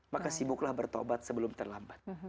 maka sibuklah bertobat sebelum terlambat